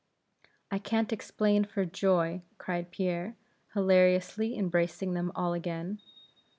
"I can't explain for joy," cried Pierre, hilariously embracing them all again.